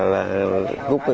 để kéo ra